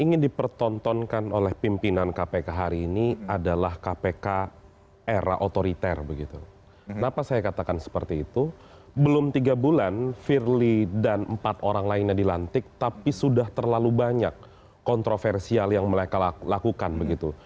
ini adalah kpk era otoriter begitu kenapa saya katakan seperti itu belum tiga bulan firly dan empat orang lainnya dilantik tapi sudah terlalu banyak kontroversial yang mereka lakukan begitu